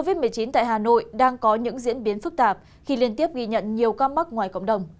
covid một mươi chín tại hà nội đang có những diễn biến phức tạp khi liên tiếp ghi nhận nhiều ca mắc ngoài cộng đồng